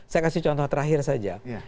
saya kasih contoh terakhir saja